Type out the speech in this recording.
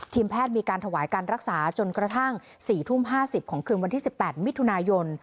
แพทย์มีการถวายการรักษาจนกระทั่ง๔ทุ่ม๕๐ของคืนวันที่๑๘มิถุนายน